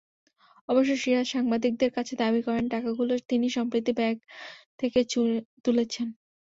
অবশ্য সিরাজ সাংবাদিকদের কাছে দাবি করেন, টাকাগুলো তিনি সম্প্রতি ব্যাংক থেকে তুলেছেন।